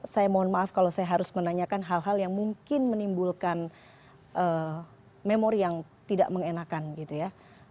saya mohon maaf kalau saya harus menanyakan hal hal yang mungkin menimbulkan memori yang tidak mengenakan gitu ya